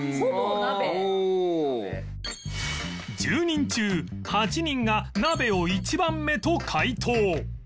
１０人中８人が鍋を１番目と解答